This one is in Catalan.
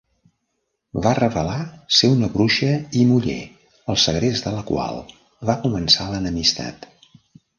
Va revelar ser una bruixa i muller el segrest de la qual va començar l'enemistat.